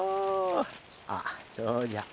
あっそうじゃ。